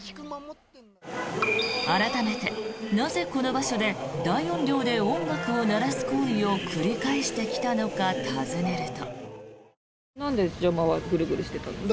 改めて、なぜこの場所で大音量で音楽を鳴らす行為を繰り返してきたのか尋ねると。